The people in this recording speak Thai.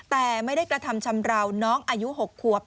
แต่ไม่ได้กระทำชำราวน้องอายุ๖ควบ